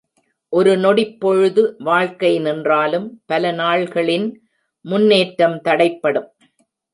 ஒரு நொடிப் பொழுது வாழ்க்கை நின்றாலும் பல நாள்களின் முன்னேற்றம் தடைப்படும்.